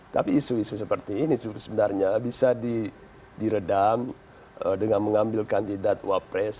tapi isu isu seperti ini sebenarnya bisa diredam dengan mengambil kandidat wapres